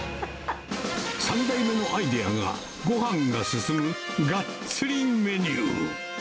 ３代目のアイデアがごはんが進むがっつりメニュー。